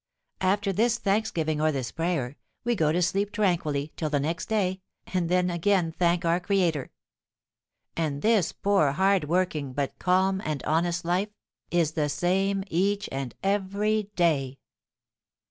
After this thanksgiving or this prayer, we go to sleep tranquilly till the next day, and then again thank our Creator. And this poor, hard working, but calm and honest life, is the same each and every day."